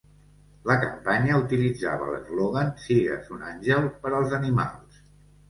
La campanya utilitzava l'eslògan "Sigues un àngel per als animals."